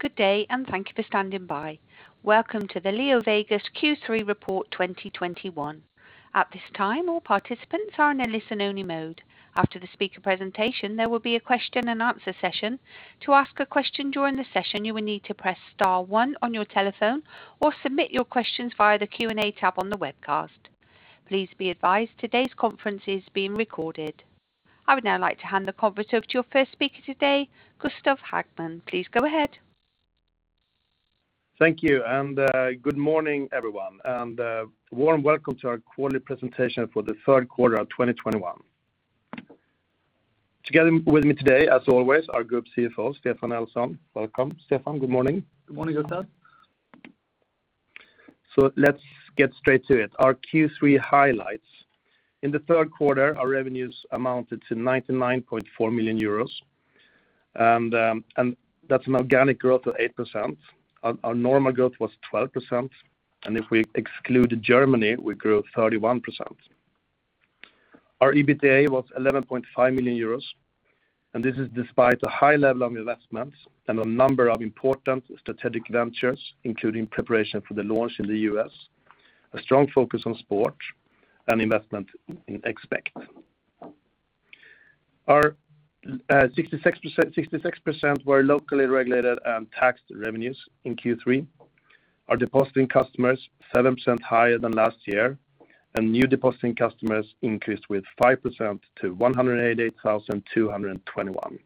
Good day, and thank you for standing by. Welcome to the LeoVegas Q3 2021 Report. At this time, all participants are in a listen-only mode. After the speaker presentation, there will be a question and answer session. To ask a question during the session, you will need to press star one on your telephone or submit your questions via the Q&A tab on the webcast. Please be advised today's conference is being recorded. I would now like to hand the conference over to your first speaker today, Gustaf Hagman. Please go ahead. Thank you, and good morning, everyone, and warm welcome to our quarterly presentation for the third quarter of 2021. Together with me today, as always, our Group CFO, Stefan Nelson. Welcome, Stefan. Good morning. Good morning, Gustaf. Let's get straight to it. Our Q3 highlights. In the third quarter, our revenues amounted to 99.4 million euros, and that's an organic growth of 8%. Our normal growth was 12%, and if we excluded Germany, we grew 31%. Our EBITDA was 11.5 million euros, and this is despite a high level of investments and a number of important strategic ventures, including preparation for the launch in the U.S., a strong focus on sport and investment in Expekt. 66% were locally regulated and taxed revenues in Q3. Our depositing customers, 7% higher than last year, and new depositing customers increased with 5% to 188,221.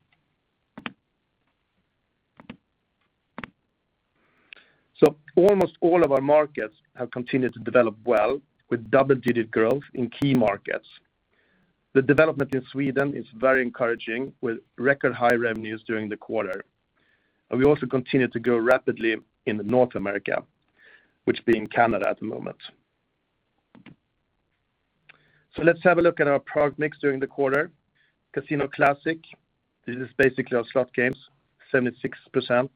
Almost all of our markets have continued to develop well with double-digit growth in key markets. The development in Sweden is very encouraging with record high revenues during the quarter. We also continue to grow rapidly in North America, which is Canada at the moment. Let's have a look at our product mix during the quarter. Casino Classic, this is basically our slot games, 76%.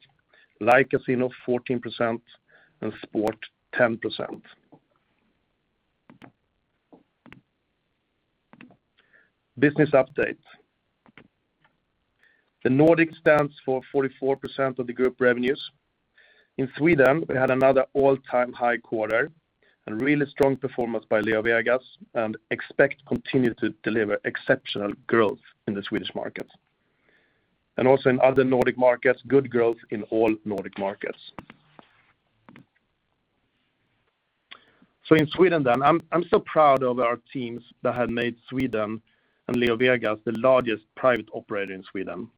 Live Casino, 14%. Sport, 10%. Business update. The Nordic stands for 44% of the group revenues. In Sweden, we had another all-time high quarter and really strong performance by LeoVegas, and Expekt continued to deliver exceptional growth in the Swedish market. Also in other Nordic markets, good growth in all Nordic markets. In Sweden then, I'm so proud of our teams that have made Sweden and LeoVegas the largest private operator in Sweden.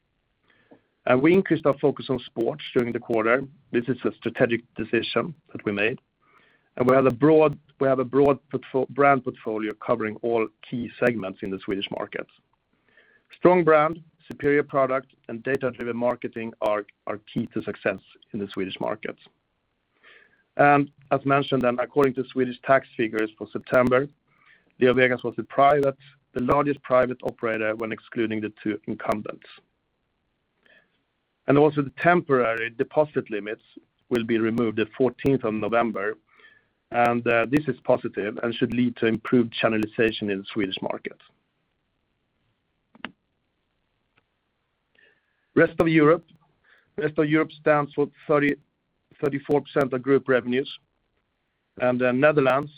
We increased our focus on sports during the quarter. This is a strategic decision that we made. We have a broad brand portfolio covering all key segments in the Swedish market. Strong brand, superior product, and data-driven marketing are key to success in the Swedish market. As mentioned then, according to Swedish tax figures for September, LeoVegas was the largest private operator when excluding the two incumbents. Also the temporary deposit limits will be removed the fourteenth of November, and this is positive and should lead to improved channelization in the Swedish market. Rest of Europe stands for 34% of group revenues. Then the Netherlands,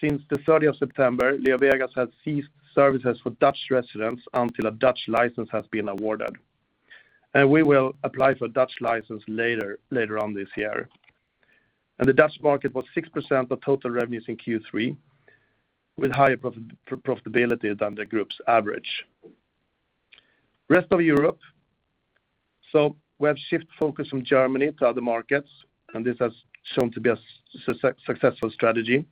since the September 30, LeoVegas has ceased services for Dutch residents until a Dutch license has been awarded. We will apply for a Dutch license later on this year. The Dutch market was 6% of total revenues in Q3, with higher profitability than the Group's average. Rest of Europe. We have shifted focus from Germany to other markets, and this has shown to be a successful strategy.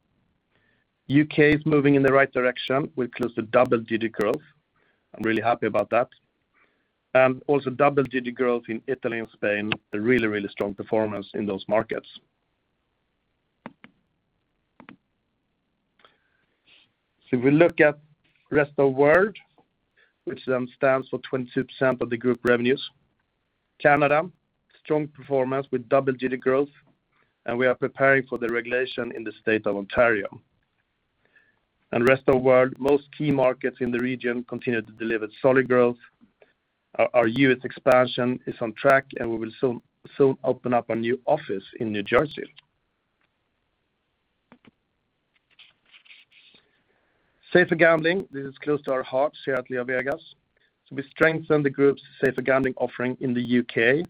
U.K. is moving in the right direction. We've closed a double-digit growth. I'm really happy about that. Also double-digit growth in Italy and Spain, a really, really strong performance in those markets. If we look at Rest of World, which then stands for 22% of the group revenues. Canada, strong performance with double-digit growth, and we are preparing for the regulation in the state of Ontario. Rest of World, most key markets in the region continue to deliver solid growth. Our U.S. expansion is on track, and we will soon open up a new office in New Jersey. Safer gambling. This is close to our hearts here at LeoVegas. We strengthened the group's safer gambling offering in the U.K.,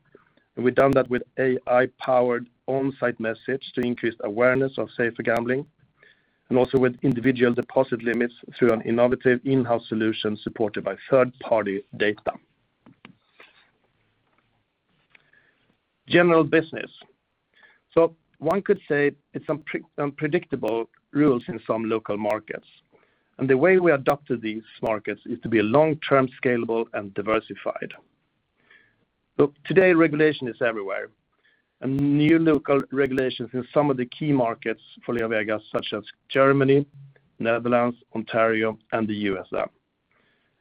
and we've done that with AI-powered on-site message to increase awareness of safer gambling, and also with individual deposit limits through an innovative in-house solution supported by third-party data. General business. One could say it's unpredictable rules in some local markets, and the way we adapted these markets is to be long-term, scalable, and diversified. Look, today, regulation is everywhere, and new local regulations in some of the key markets for LeoVegas, such as Germany, Netherlands, Ontario, and the U.S. then.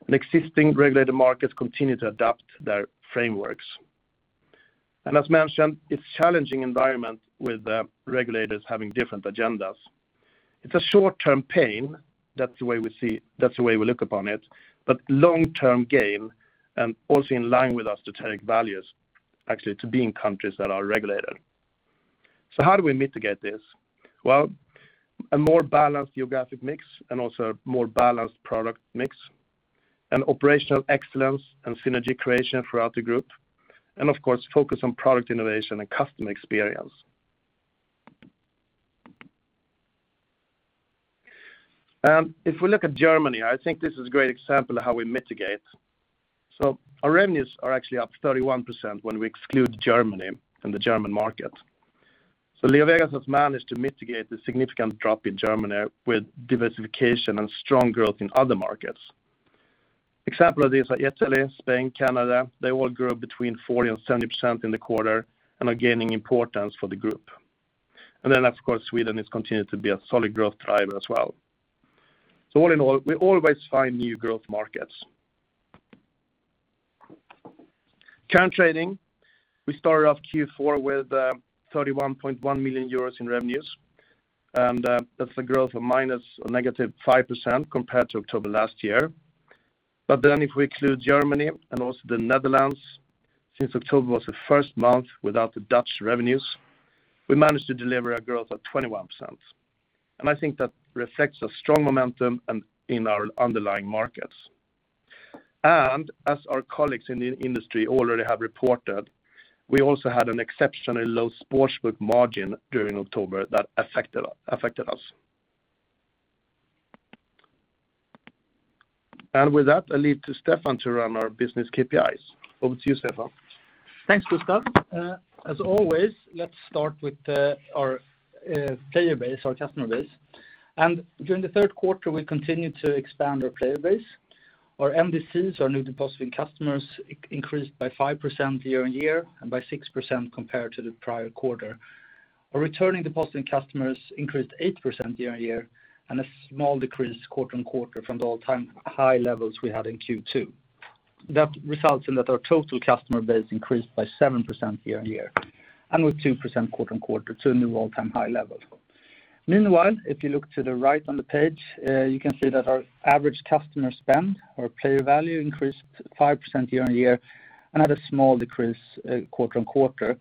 Existing regulated markets continue to adapt their frameworks. As mentioned, it's challenging environment with the regulators having different agendas. It's a short-term pain, that's the way we look upon it, but long-term gain, also in line with our strategic values, actually, to be in countries that are regulated. How do we mitigate this? Well, a more balanced geographic mix and also more balanced product mix, and operational excellence and synergy creation throughout the group, and of course, focus on product innovation and customer experience. If we look at Germany, I think this is a great example of how we mitigate. Our revenues are actually up 31% when we exclude Germany from the German market. LeoVegas has managed to mitigate the significant drop in Germany with diversification and strong growth in other markets. Example of this are Italy, Spain, Canada. They all grew between 40% and 70% in the quarter and are gaining importance for the group. Then, of course, Sweden is continued to be a solid growth driver as well. All in all, we always find new growth markets. Current trading, we started off Q4 with 31.1 million euros in revenues, and that's a growth of -5% compared to October last year. If we include Germany and also the Netherlands, since October was the first month without the Dutch revenues, we managed to deliver a growth of 21%. I think that reflects a strong momentum in our underlying markets. As our colleagues in the industry already have reported, we also had an exceptionally low sportsbook margin during October that affected us. With that, I leave to Stefan to run our business KPIs. Over to you, Stefan. Thanks, Gustaf. As always, let's start with our player base, our customer base. During the third quarter, we continued to expand our player base. Our NDCs, our new depositing customers increased by 5% year-on-year and by 6% compared to the prior quarter. Our returning depositing customers increased 8% year-on-year and a small decrease quarter-on-quarter from the all-time high levels we had in Q2. That results in our total customer base increased by 7% year-on-year and with 2% quarter-on-quarter to a new all-time high level. Meanwhile, if you look to the right on the page, you can see that our average customer spend or player value increased 5% year-on-year, another small decrease quarter-on-quarter.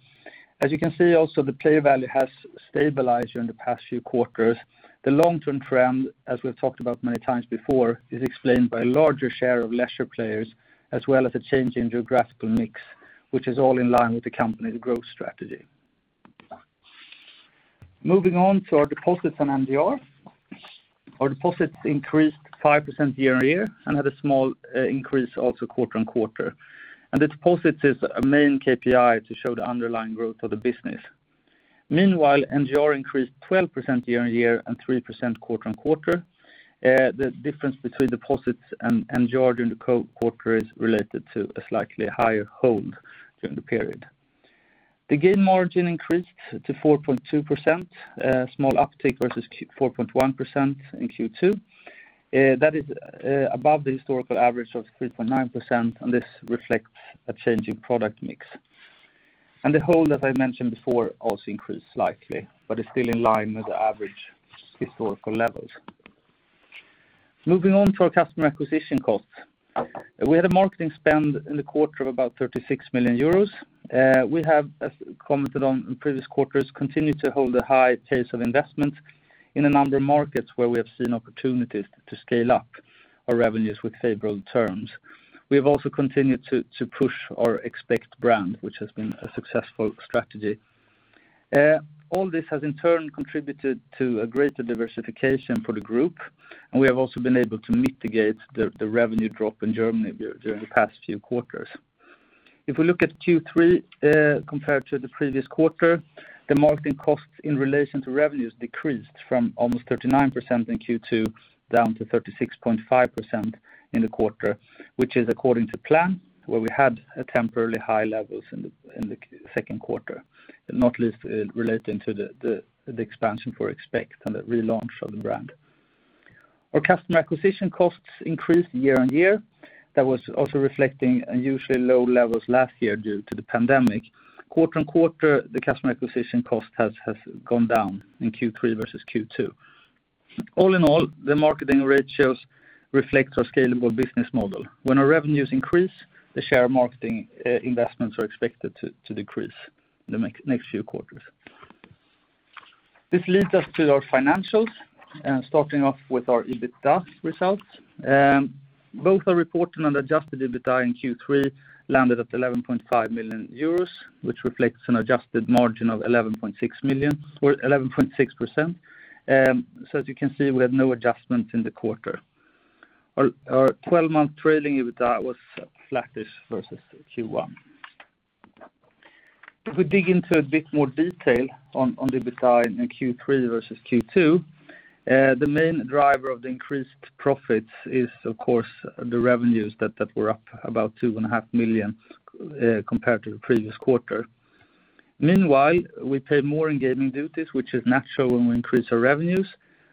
As you can see, also the player value has stabilized during the past few quarters. The long-term trend, as we've talked about many times before, is explained by a larger share of leisure players, as well as a change in geographical mix, which is all in line with the company's growth strategy. Moving on to our deposits and NGR. Our deposits increased 5% year-on-year and had a small increase also quarter-on-quarter. The deposits is a main KPI to show the underlying growth of the business. Meanwhile, NGR increased 12% year-on-year and 3% quarter-on-quarter. The difference between deposits and NGR during the quarter is related to a slightly higher hold during the period. The gain margin increased to 4.2%, small uptick versus 4.1% in Q2. That is above the historical average of 3.9%, and this reflects a change in product mix. The hold, as I mentioned before, also increased slightly, but is still in line with the average historical levels. Moving on to our customer acquisition costs. We had a marketing spend in the quarter of about 36 million euros. We have, as commented on in previous quarters, continued to hold a high pace of investment in a number of markets where we have seen opportunities to scale up our revenues with favourable terms. We have also continued to push our Expekt brand, which has been a successful strategy. All this has in turn contributed to a greater diversification for the group, and we have also been able to mitigate the revenue drop in Germany during the past few quarters. If we look at Q3, compared to the previous quarter, the marketing costs in relation to revenues decreased from almost 39% in Q2 down to 36.5% in the quarter, which is according to plan, where we had temporarily high levels in the Q2, not least relating to the expansion for Expekt and the relaunch of the brand. Our customer acquisition costs increased year-on-year. That was also reflecting unusually low levels last year due to the pandemic. Quarter-on-quarter, the customer acquisition cost has gone down in Q3 versus Q2. All in all, the marketing ratios reflect our scalable business model. When our revenues increase, the share of marketing investments are expected to decrease in the next few quarters. This leads us to our financials, starting off with our EBITDA results. Both are reported on adjusted EBITDA in Q3, landed at 11.5 million euros, which reflects an adjusted margin of 11.6%. As you can see, we have no adjustments in the quarter. Our 12-month trailing EBITDA was flattish versus Q1. If we dig into a bit more detail on the EBITDA in Q3 versus Q2, the main driver of the increased profits is, of course, the revenues that were up about 2.5 million compared to the previous quarter. Meanwhile, we paid more in gaming duties, which is natural when we increase our revenues.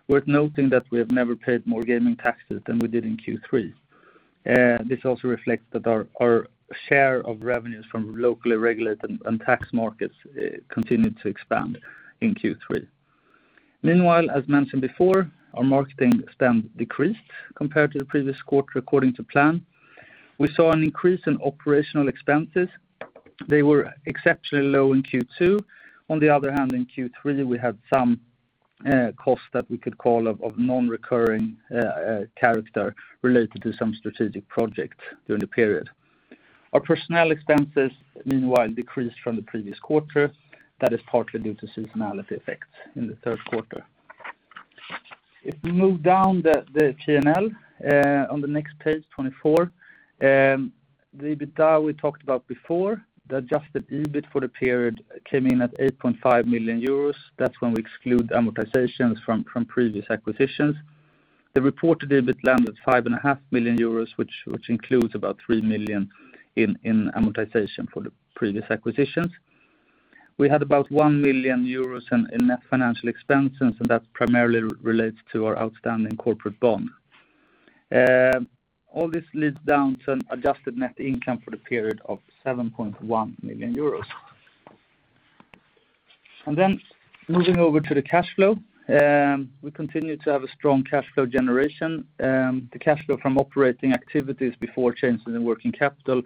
Worth noting that we have never paid more gaming taxes than we did in Q3. This also reflects that our share of revenues from locally regulated and tax markets continued to expand in Q3. Meanwhile, as mentioned before, our marketing spend decreased compared to the previous quarter according to plan. We saw an increase in operational expenses. They were exceptionally low in Q2. On the other hand, in Q3, we had some costs that we could call of non-recurring character related to some strategic project during the period. Our personnel expenses, meanwhile, decreased from the previous quarter. That is partly due to seasonality effects in the third quarter. If we move down the P&L on the next page, 24, the EBITDA we talked about before. The adjusted EBIT for the period came in at 8.5 million euros. That's when we exclude amortizations from previous acquisitions. The reported EBIT landed 5.5 million euros, which includes about 3 million in amortization for the previous acquisitions. We had about 1 million euros in net financial expenses, and that primarily relates to our outstanding corporate bond. All this leads down to an adjusted net income for the period of 7.1 million euros. Moving over to the cash flow, we continue to have a strong cash flow generation. The cash flow from operating activities before changes in working capital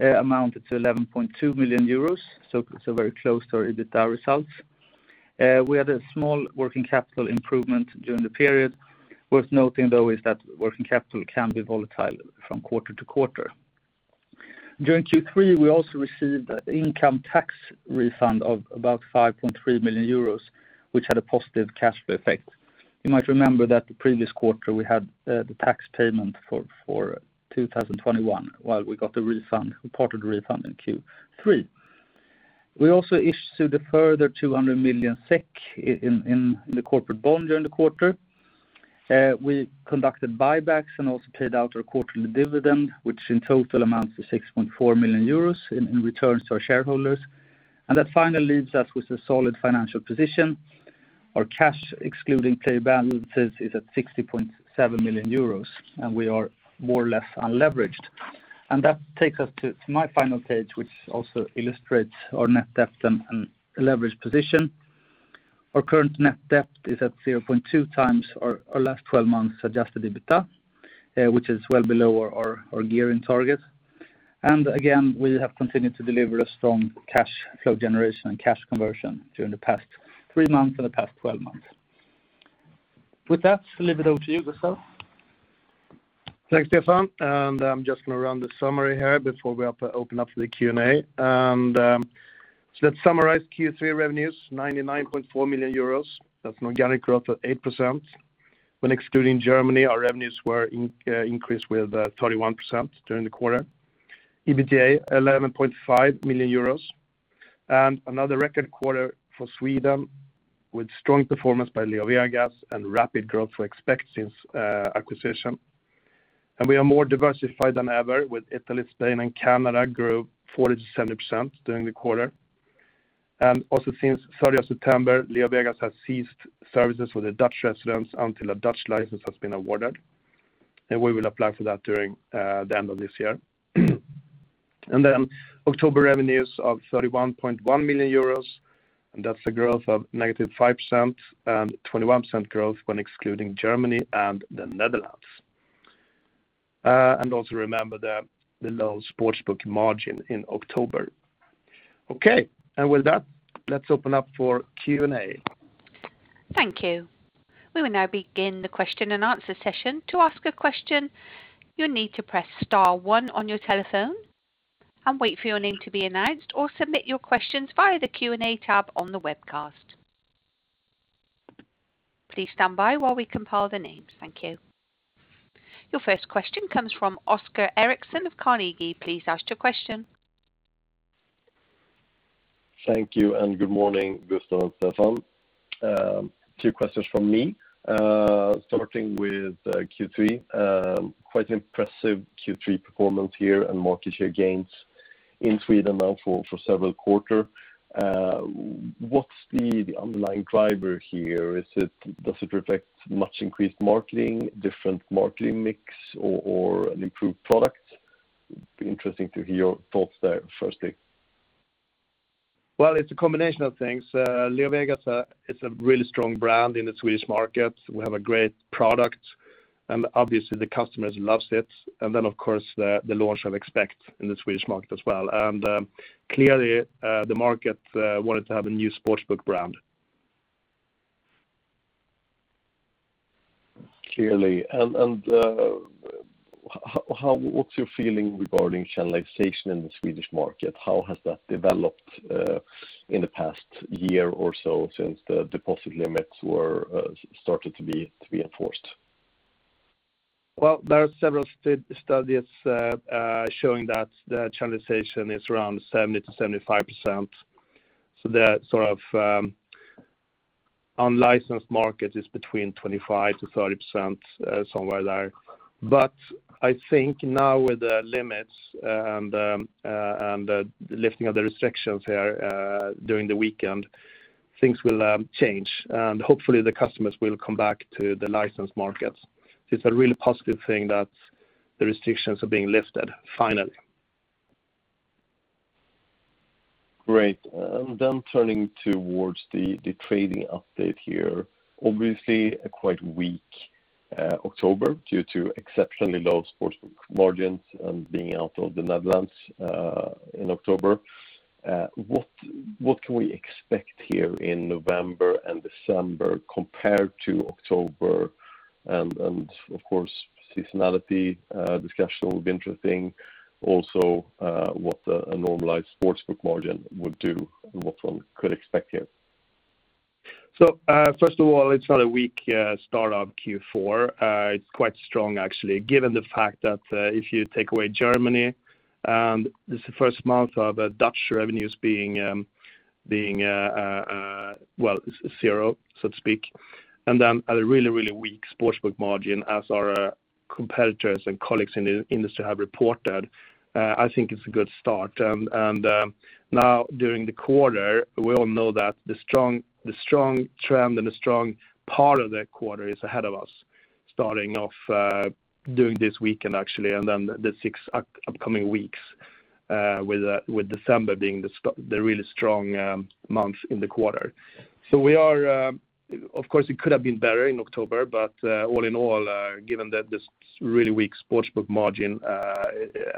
amounted to 11.2 million euros, so it's very close to our EBITDA results. We had a small working capital improvement during the period. Worth noting though is that working capital can be volatile from quarter-to-quarter. During Q3, we also received an income tax refund of about 5.3 million euros, which had a positive cash flow effect. You might remember that the previous quarter we had the tax payment for 2021, while we got the refund, reported the refund in Q3. We also issued a further 200 million SEK in the corporate bond during the quarter. We conducted buybacks and also paid out our quarterly dividend, which in total amounts to 6.4 million euros in returns to our shareholders. That finally leaves us with a solid financial position. Our cash excluding pay balances is at 60.7 million euros, and we are more or less unleveraged. That takes us to my final page, which also illustrates our net debt and leverage position. Our current net debt is at 0.2x our last twelve months adjusted EBITDA, which is well below our gearing target. Again, we have continued to deliver a strong cash flow generation and cash conversion during the past three months and the past 12 months. With that, I'll leave it over to you, Gustaf. Thanks, Stefan. I'm just going to run the summary here before we open up to the Q&A. Let's summarize Q3 revenues, 99.4 million euros. That's an organic growth of 8%. When excluding Germany, our revenues increased with 31% during the quarter. EBITDA, 11.5 million euros. Another record quarter for Sweden with strong performance by LeoVegas and rapid growth for Expekt since acquisition. We are more diversified than ever with Italy, Spain and Canada grew 40%-70% during the quarter. Since September 30, LeoVegas has ceased services for the Dutch residents until a Dutch license has been awarded. We will apply for that during the end of this year. October revenues of 31.1 million euros, and that's a growth of -5% and 21% growth when excluding Germany and the Netherlands. Also remember the low sports book margin in October. Okay. With that, let's open up for Q&A. Thank you. We will now begin the question and answer session. To ask a question, you need to press star one on your telephone and wait for your name to be announced, or submit your questions via the Q&A tab on the webcast. Please stand by while we compile the names. Thank you. Your first question comes from Oscar Erixon of Carnegie. Please ask your question. Thank you, and good morning, Gustaf and Stefan. Two questions from me. Starting with Q3. Quite an impressive Q3 performance here and market share gains in Sweden now for several quarters. What's the underlying driver here? Does it reflect much increased marketing, different marketing mix or an improved product? It'd be interesting to hear your thoughts there firstly. Well, it's a combination of things. LeoVegas is a really strong brand in the Swedish market. We have a great product, and obviously the customers loves it. Then, of course, the launch of Expekt in the Swedish market as well. Clearly, the market wanted to have a new sports book brand. Clearly. What's your feeling regarding channelization in the Swedish market? How has that developed in the past year or so since the deposit limits were started to be enforced? Well, there are several studies showing that the channelization is around 70%-75%. That sort of unlicensed market is between 25%-30%, somewhere there. I think now with the limits and the lifting of the restrictions here during the weekend. Things will change, and hopefully the customers will come back to the licensed markets. It's a really positive thing that the restrictions are being lifted finally. Great. Turning towards the trading update here, obviously a quite weak October due to exceptionally low sports book margins and being out of the Netherlands in October. What can we expect here in November and December compared to October and of course seasonality discussion will be interesting also. What a normalized sports book margin would do and what one could expect here. First of all, it's not a weak start of Q4. It's quite strong actually, given the fact that if you take away Germany, this first month of Dutch revenues being well zero, so to speak, and at a really weak sports book margin as our competitors and colleagues in the industry have reported, I think it's a good start. Now during the quarter, we all know that the strong trend and the strong part of the quarter is ahead of us starting off during this weekend actually, and then the six upcoming weeks with December being the really strong month in the quarter. We are, of course, it could have been better in October, but all in all, given that this really weak sports book margin,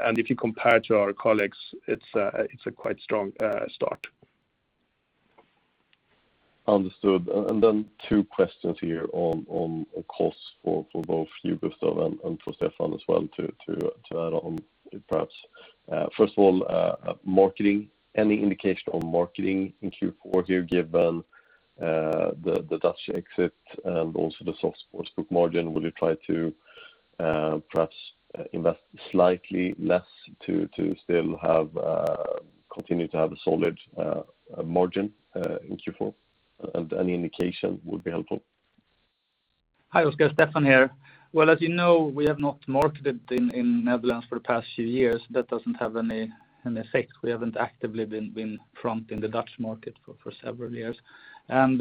and if you compare to our colleagues, it's a quite strong start. Understood. Then two questions here on costs for both you, Gustaf, and for Stefan as well to add on perhaps. First of all, marketing. Any indication on marketing in Q4 here, given the Dutch exit and also the soft sports book margin? Will you try to perhaps invest slightly less to continue to have a solid margin in Q4? Any indication would be helpful. Hi, Oscar. Stefan here. Well, as you know, we have not marketed in Netherlands for the past few years. That doesn't have any effect. We haven't actively been front in the Dutch market for several years. When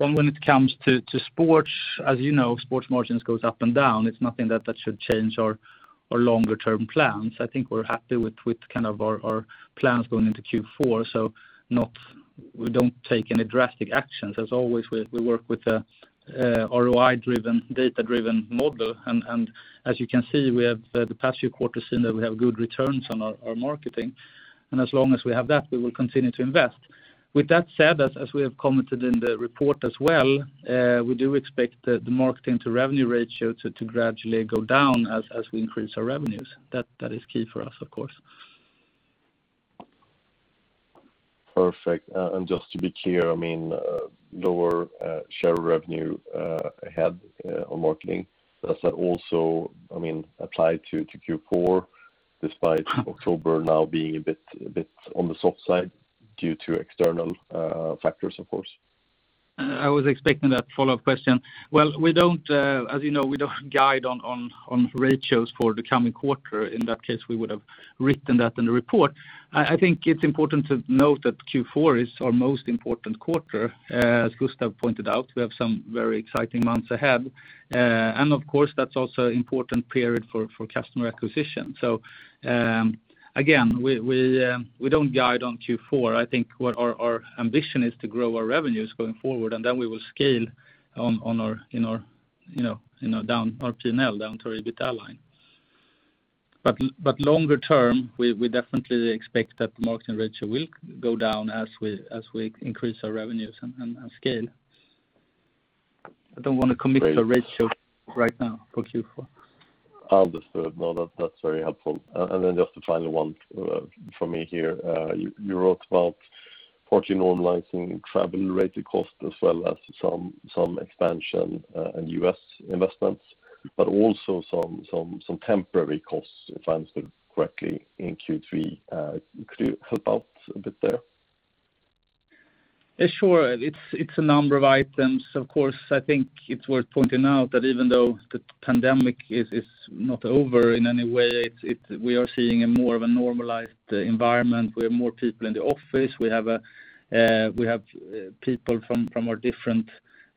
it comes to sports, as you know, sports margins goes up and down. It's nothing that should change our longer-term plans. I think we're happy with kind of our plans going into Q4, so we don't take any drastic actions. As always, we work with a ROI-driven, data-driven model. As you can see, we have the past few quarters seen that we have good returns on our marketing. As long as we have that, we will continue to invest. With that said, as we have commented in the report as well, we do expect the marketing to revenue ratio to gradually go down as we increase our revenues. That is key for us, of course. Perfect. Just to be clear, I mean, lower share revenue ahead on marketing. Does that also, I mean, apply to Q4 despite October now being a bit on the soft side due to external factors, of course? I was expecting that follow-up question. Well, we don't, as you know, we don't guide on ratios for the coming quarter. In that case, we would have written that in the report. I think it's important to note that Q4 is our most important quarter. As Gustaf pointed out, we have some very exciting months ahead. Of course, that's also important period for customer acquisition. Again, we don't guide on Q4. I think what our ambition is to grow our revenues going forward, and then we will scale down our P&L to EBITDA line. Longer-term, we definitely expect that the marketing ratio will go down as we increase our revenues and scale. I don't wanna commit to a ratio right now for Q4. Understood. No, that's very helpful. Just a final one for me here. You wrote about partially normalizing travel-related costs as well as some expansion in U.S. investments, but also some temporary costs, if I understood correctly in Q3. Could you help out a bit there? Yeah, sure. It's a number of items. Of course, I think it's worth pointing out that even though the pandemic is not over in any way, we are seeing more of a normalized environment. We have more people in the office. We have people from our different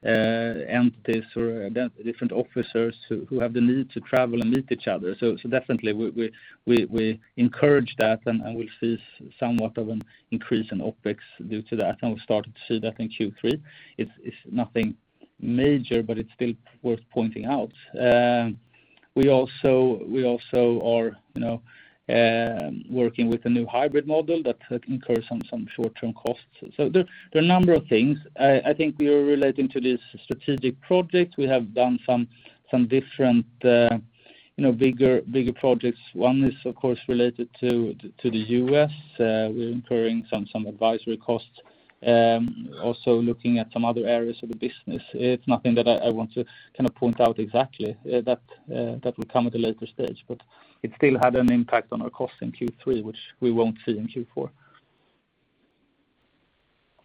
entities or different offices who have the need to travel and meet each other. Definitely we encourage that, and we'll see somewhat of an increase in OpEx due to that. We've started to see that in Q3. It's nothing major, but it's still worth pointing out. We also are, you know, working with a new hybrid model that incurs some short-term costs. There are a number of things. I think we are relating to this strategic project. We have done some different, you know, bigger projects. One is, of course, related to the U.S. We're incurring some advisory costs, also looking at some other areas of the business. It's nothing that I want to kind of point out exactly. That will come at a later stage, but it still had an impact on our cost in Q3, which we won't see in Q4.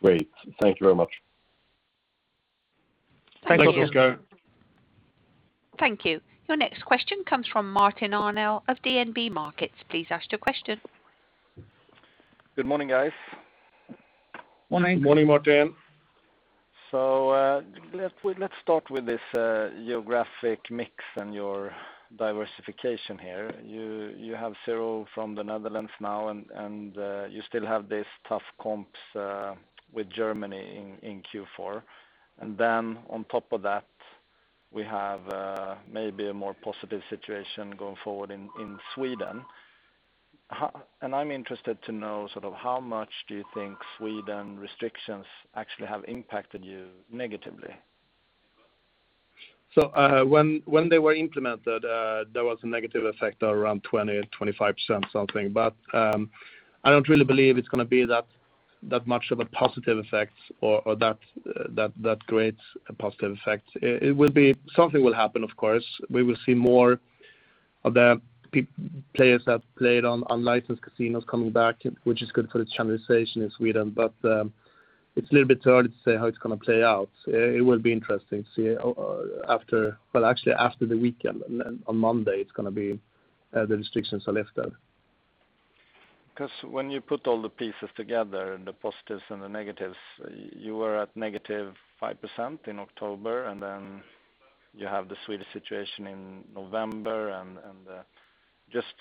Great. Thank you very much. Thank you. Thank you, Oscar. Thank you. Your next question comes from Martin Arnell of DNB Markets. Please ask your question. Good morning, guys. Morning. Morning, Martin. Let's start with this geographic mix and your diversification here. You have zero from the Netherlands now, and you still have these tough comps with Germany in Q4.And then on top of that we have maybe a more positive situation going forward in Sweden. I'm interested to know sort of how much do you think Sweden restrictions actually have impacted you negatively? When they were implemented, there was a negative effect of around 20%-25% or something. I don't really believe it's gonna be that much of a positive effect or that great a positive effect. It will be. Something will happen, of course. We will see more of the players that played on unlicensed casinos coming back, which is good for the channelization in Sweden. It's a little bit too early to say how it's gonna play out. It will be interesting to see after well, actually after the weekend. On Monday, it's gonna be the restrictions are lifted. 'Cause when you put all the pieces together, the positives and the negatives, you were at -5% in October, and then you have the Swedish situation in November. Just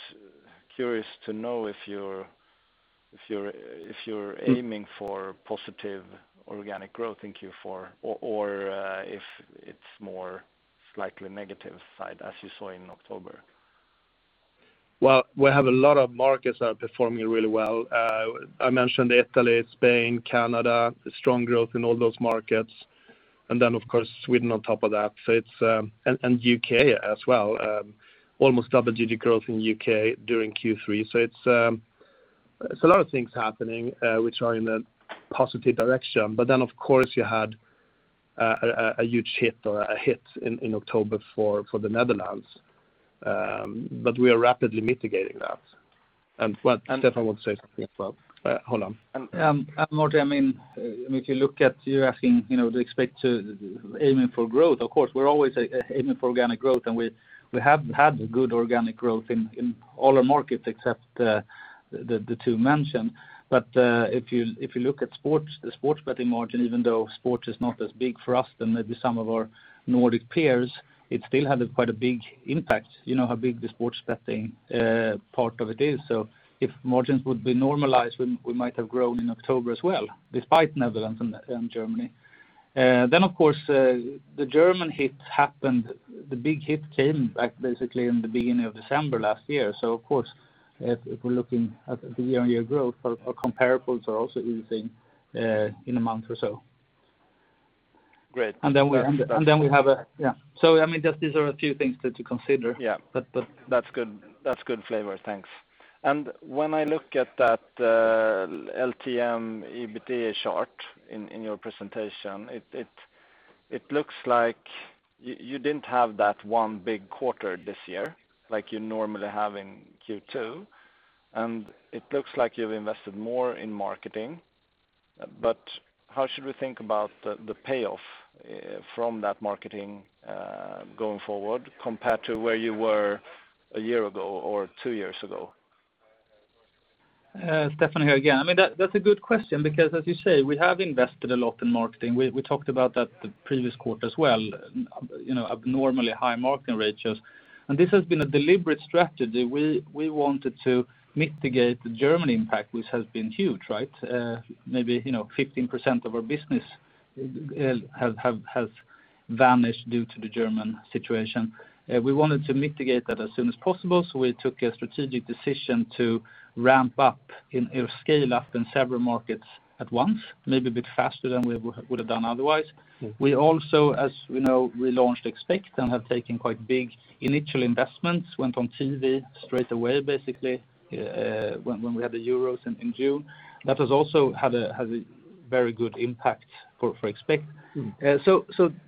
curious to know if you're aiming for positive organic growth in Q4 or if it's more on the slightly negative side as you saw in October. Well, we have a lot of markets that are performing really well. I mentioned Italy, Spain, Canada, strong growth in all those markets, and then of course Sweden on top of that and U.K. as well. Almost double-digit growth in U.K. during Q3. It's a lot of things happening which are in a positive direction. Of course, you had a huge hit or a hit in October for the Netherlands, but we are rapidly mitigating that. Well, Stefan wants to say something as well. Hold on. Martin, I mean, if you look at, you're asking, you know, do you expect to aiming for growth. Of course, we're always aiming for organic growth, and we have had good organic growth in all our markets except the two mentioned. If you look at sports, the sports betting margin, even though sports is not as big for us than maybe some of our Nordic peers, it still had quite a big impact, you know, how big the sports betting part of it is. If margins would be normalized, we might have grown in October as well, despite Netherlands and Germany. Then of course, the German hit happened, the big hit came back basically in the beginning of December last year. Of course, if we're looking at the year-on-year growth, our comparables are also easing in a month or so. Great. Yeah. I mean, that these are a few things to consider. Yeah. But, but- That's good. That's good flavor. Thanks. When I look at that LTM EBITDA chart in your presentation, it looks like you didn't have that one big quarter this year like you normally have in Q2, and it looks like you've invested more in marketing. How should we think about the payoff from that marketing going forward compared to where you were a year ago or two years ago? Stefan here again. I mean, that's a good question because as you say, we have invested a lot in marketing. We talked about that the previous quarter as well, you know, abnormally high marketing ratios. This has been a deliberate strategy. We wanted to mitigate the German impact, which has been huge, right? Maybe, you know, 15% of our business has vanished due to the German situation. We wanted to mitigate that as soon as possible, so we took a strategic decision to ramp up in, or scale up in several markets at once, maybe a bit faster than we would have done otherwise. We also, as we know, relaunched Expekt and have taken quite big initial investments, went on TV straight away, basically, when we had the Euros in June. That has also had a very good impact for Expekt.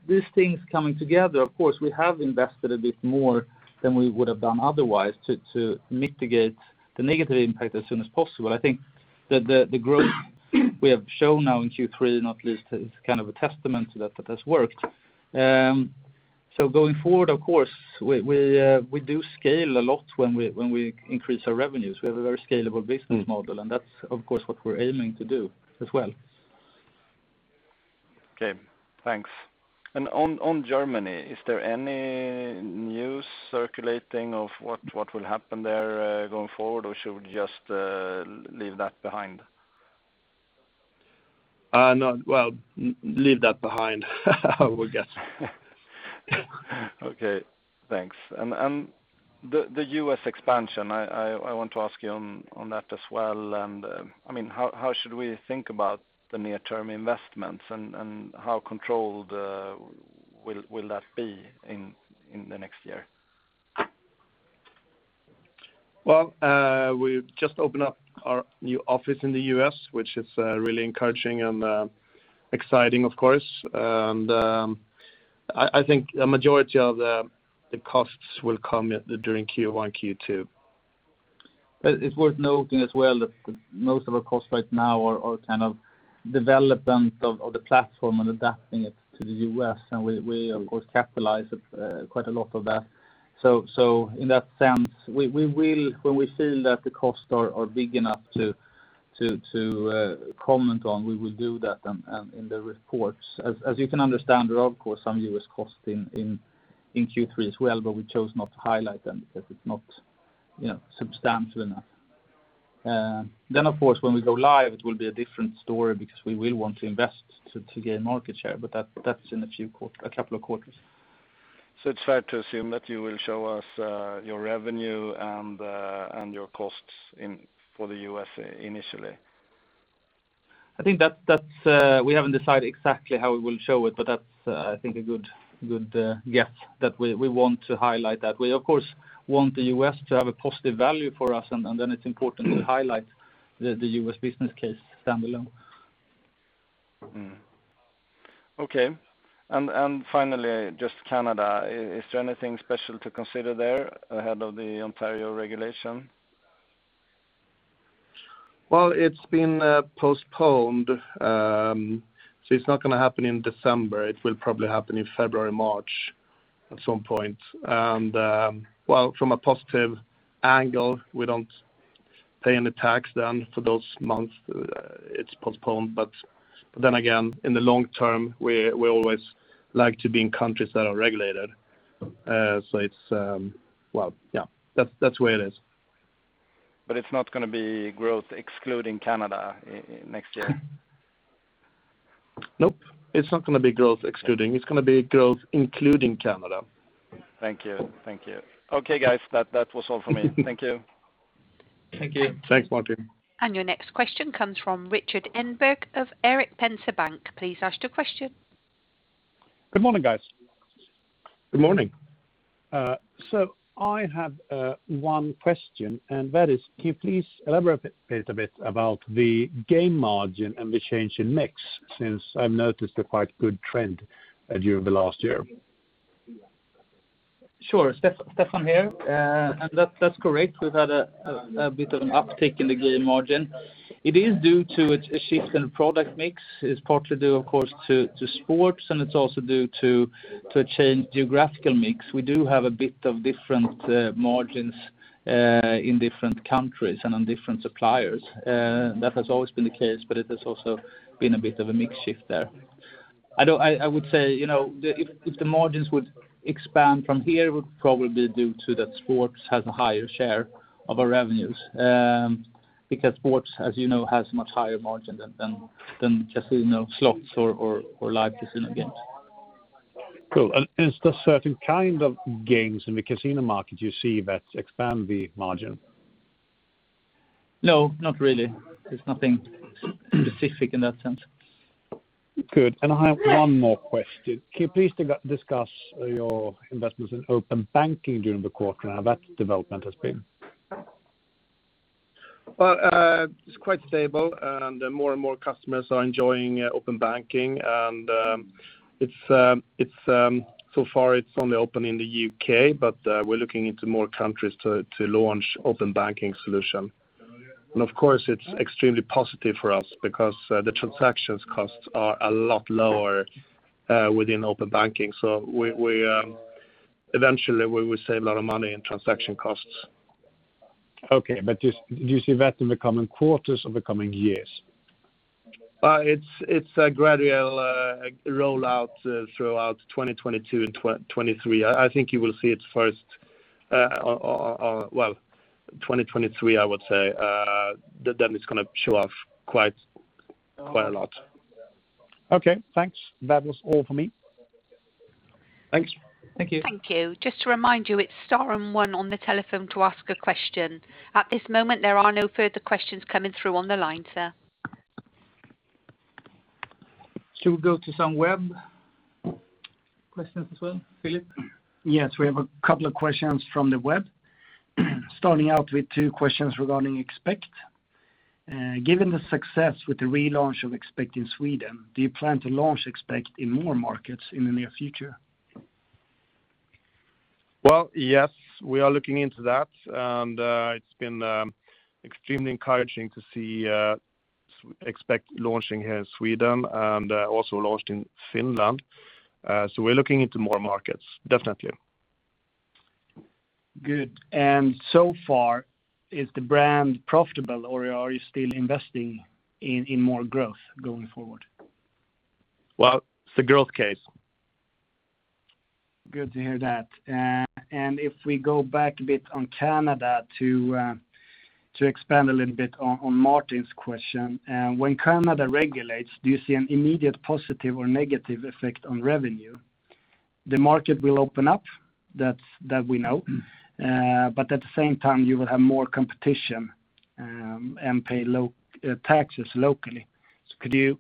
These things coming together, of course, we have invested a bit more than we would have done otherwise to mitigate the negative impact as soon as possible. I think that the growth we have shown now in Q3, not least, is kind of a testament to that has worked. Going forward, of course, we do scale a lot when we increase our revenues. We have a very scalable business model, and that's, of course, what we're aiming to do as well. Okay. Thanks. On Germany, is there any news circulating of what will happen there, going forward? Or should we just leave that behind? No. Well, leave that behind, I would guess. Okay, thanks. The U.S. expansion, I want to ask you on that as well. I mean, how should we think about the near-term investments and how controlled will that be in the next year? Well, we just opened up our new office in the U.S., which is really encouraging and exciting, of course. I think a majority of the costs will come during Q1, Q2. It's worth noting as well that most of our costs right now are kind of development of the platform and adapting it to the U.S., and we of course capitalize quite a lot of that. In that sense, we will, when we feel that the costs are big enough to comment on, do that in the reports. As you can understand, there are of course some U.S. costs in Q3 as well, but we chose not to highlight them because it's not, you know, substantial enough. Of course, when we go live, it will be a different story because we will want to invest to gain market share, but that's in a couple of quarters. It's fair to assume that you will show us your revenue and your costs for the U.S. initially? I think that's we haven't decided exactly how we will show it, but that's I think a good guess that we want to highlight that. We of course want the U.S. to have a positive value for us, and then it's important to highlight the U.S. business case standalone. Okay. Finally, just Canada. Is there anything special to consider there ahead of the Ontario regulation? Well, it's been postponed, so it's not gonna happen in December. It will probably happen in February, March at some point. Well, from a positive angle, we don't pay any tax then for those months, it's postponed. Then again, in the long term we always like to be in countries that are regulated. It's well, yeah, that's the way it is. It's not gonna be growth excluding Canada next year? Nope. It's not gonna be growth excluding. It's gonna be growth including Canada. Thank you. Thank you. Okay, guys. That was all for me. Thank you. Thank you. Thanks, Martin. Your next question comes from Rikard Engberg of Erik Penser Bank. Please ask your question. Good morning, guys. Good morning. I have one question, and that is, can you please elaborate a bit about the game margin and the change in mix, since I've noticed a quite good trend during the last year? Sure. Stefan here. That's correct. We've had a bit of an uptick in the game margin. It is due to a shift in product mix. It's partly due, of course, to sports, and it's also due to a change in geographical mix. We do have a bit of different margins in different countries and on different suppliers. That has always been the case, but it has also been a bit of a mix shift there. I would say, you know, if the margins would expand from here, it would probably be due to that sports has a higher share of our revenues, because sports, as you know, has much higher margin than casino slots or Live Casino games. Cool. Is there certain kind of games in the casino market you see that expand the margin? No, not really. There's nothing specific in that sense. Good. I have one more question. Can you please discuss your investments in open banking during the quarter and how that development has been? Well, it's quite stable, and more and more customers are enjoying open banking, and it's so far only open in the U.K., but we're looking into more countries to launch open banking solution. Of course it's extremely positive for us because the transaction costs are a lot lower within open banking. We eventually will save a lot of money in transaction costs. Okay. Do you see that in the coming quarters or the coming years? It's a gradual rollout throughout 2022 and 2023. I think you will see it first, or well, 2023, I would say. It's gonna show off quite a lot. Okay, thanks. That was all for me. Thanks. Thank you. Thank you. Just to remind you, it's star one on the telephone to ask a question. At this moment, there are no further questions coming through on the line, sir. Should we go to some web questions as well, Philip? Yes. We have a couple of questions from the web. Starting out with two questions regarding Expekt. Given the success with the relaunch of Expekt in Sweden, do you plan to launch Expekt in more markets in the near future? Well, yes, we are looking into that, and it's been extremely encouraging to see Expekt launching here in Sweden and also launched in Finland. We're looking into more markets, definitely. Good. So far, is the brand profitable or are you still investing in more growth going forward? Well, it's a growth case. Good to hear that. If we go back a bit on Canada to expand a little bit on Martin's question. When Canada regulates, do you see an immediate positive or negative effect on revenue? The market will open up, that's what we know. At the same time, you will have more competition, and pay taxes locally. Could you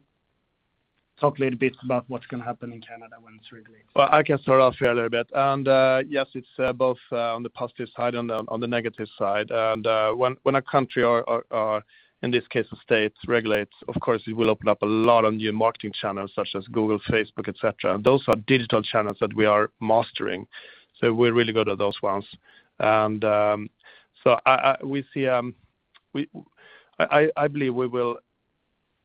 talk a little bit about what's gonna happen in Canada when it's regulated? Well, I can start off here a little bit. Yes, it's both on the positive side and on the negative side. When a country or in this case a state regulates, of course, it will open up a lot of new marketing channels such as Google, Facebook, et cetera. Those are digital channels that we are mastering, so we're really good at those ones. I believe we will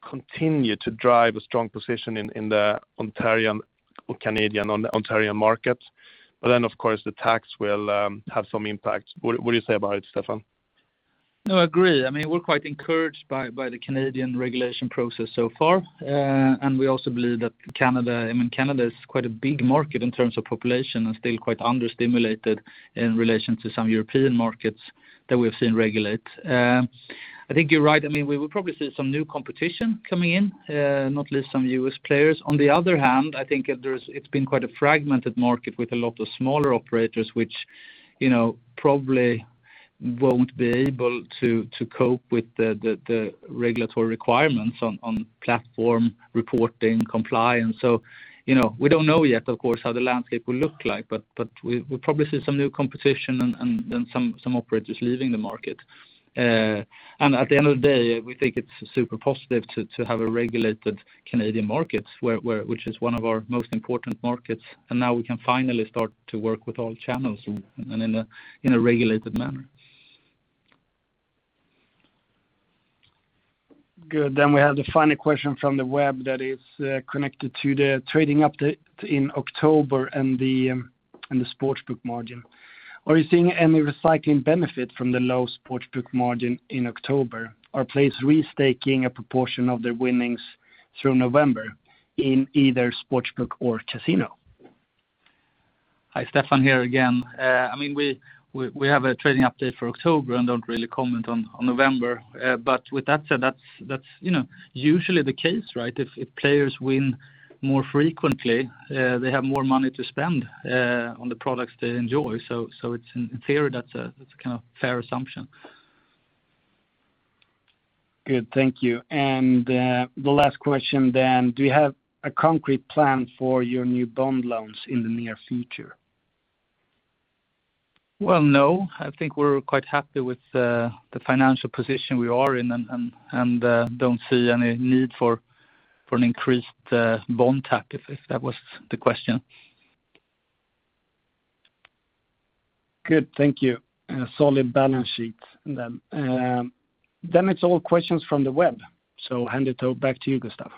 continue to drive a strong position in the Ontario market. Of course, the tax will have some impact. What do you say about it, Stefan? No, I agree. I mean, we're quite encouraged by the Canadian regulation process so far. We also believe that Canada. I mean, Canada is quite a big market in terms of population and still quite under-stimulated in relation to some European markets that we've seen regulate. I think you're right. I mean, we will probably see some new competition coming in, not least some U.S. players. On the other hand, I think it's been quite a fragmented market with a lot of smaller operators, which, you know, probably won't be able to cope with the regulatory requirements on platform reporting compliance. So, you know, we don't know yet, of course, how the landscape will look like, but we'll probably see some new competition and then some operators leaving the market. At the end of the day, we think it's super positive to have a regulated Canadian market, which is one of our most important markets, and now we can finally start to work with all channels in a regulated manner. Good. We have the final question from the web that is connected to the trading update in October and the sports book margin. Are you seeing any recycling benefit from the low sports book margin in October? Are players restaking a proportion of their winnings through November in either sports book or casino? Hi. Stefan here again. I mean, we have a trading update for October and don't really comment on November. With that said, that's, you know, usually the case, right? If players win more frequently, they have more money to spend on the products they enjoy. It's in theory, that's a kind of fair assumption. Good. Thank you. The last question then, do you have a concrete plan for your new bond loans in the near future? Well, no. I think we're quite happy with the financial position we are in and don't see any need for an increased bond tap, if that was the question. Good. Thank you. A solid balance sheet then. It's all questions from the web. Hand it back to you, Gustaf.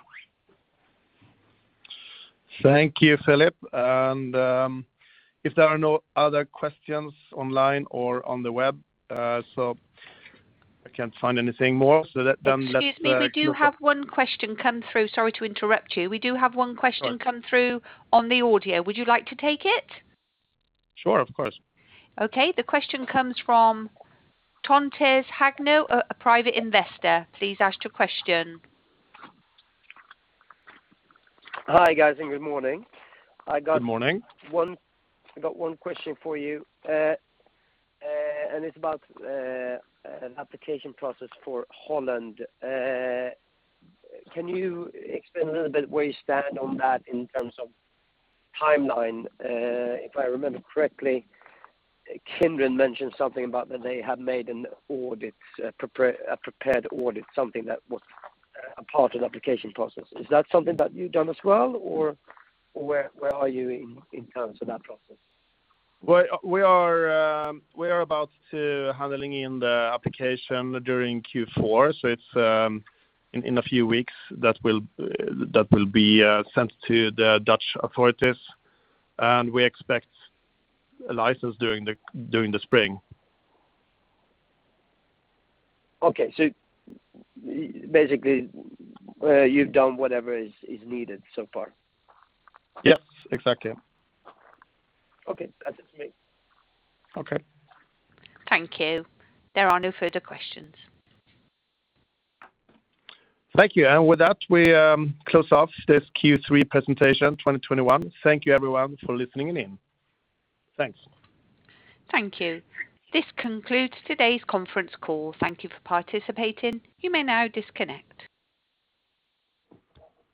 Thank you, Philip. If there are no other questions online or on the web, I can't find anything more. Let them- Excuse me. We do have one question come through. Sorry to interrupt you. We do have one question come through on the audio. Would you like to take it? Sure, of course. Okay. The question comes from Pontus Hagnö, a private investor. Please ask your question. Hi, guys, and good morning. Good morning. I got one question for you. It's about an application process for Holland. Can you explain a little bit where you stand on that in terms of timeline? If I remember correctly, Kindred mentioned something about that they have made an audit, a prepared audit, something that was a part of the application process. Is that something that you've done as well, or where are you in terms of that process? Well, we are about to hand in the application during Q4, so it's in a few weeks that will be sent to the Dutch authorities, and we expect a license during the spring. Okay. Basically, you've done whatever is needed so far? Yes, exactly. Okay. That's it for me. Okay. Thank you. There are no further questions. Thank you. With that, we close off this Q3 presentation 2021. Thank you everyone for listening in. Thanks. Thank you. This concludes today's conference call. Thank you for participating. You may now disconnect.